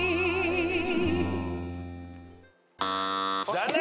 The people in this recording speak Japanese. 残念！